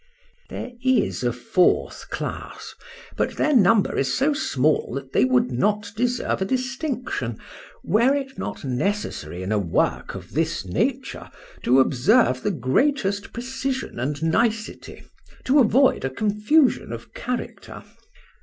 There is a fourth class, but their number is so small that they would not deserve a distinction, were it not necessary in a work of this nature to observe the greatest precision and nicety, to avoid a confusion of character.